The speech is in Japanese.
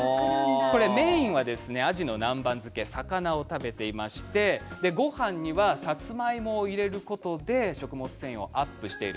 メインはあじの南蛮漬け魚を食べていましてごはんには、さつまいもを入れることで食物繊維アップしている。